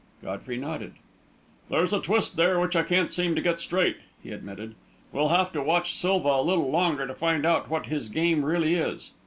Godfrey nodded. "There's a twist there which I can't seem to get straight," he admitted. "We'll have to watch Silva a little longer to find out what his game really is.